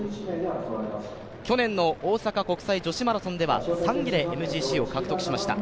去年の大阪国際女子マラソンでは３位でＭＧＣを獲得しました。